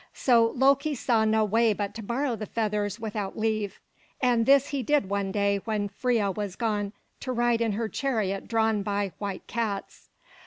So Loki saw no way but to borrow the feathers without leave; and this he did one day when Freia was gone to ride in her chariot drawn by white cats.